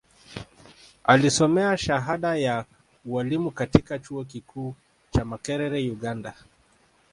Alisomea shahada ya Ualimu katika Chuo Kikuu cha Makerere Uganda